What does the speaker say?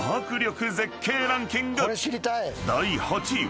［第８位は］